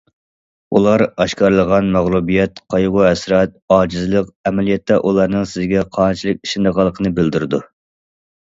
ئۇلار ئاشكارىلىغان مەغلۇبىيەت، قايغۇ- ھەسرەت، ئاجىزلىق ئەمەلىيەتتە ئۇلارنىڭ سىزگە قانچىلىك ئىشىنىدىغانلىقىنى بىلدۈرىدۇ.